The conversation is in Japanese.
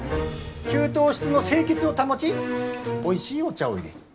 給湯室の清潔を保ちおいしいお茶をいれ。